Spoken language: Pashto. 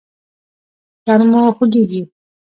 سر مو خوږیږي؟